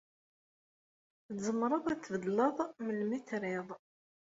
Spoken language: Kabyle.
Tzemreḍ ad-t tbeddeleḍ melmi triḍ.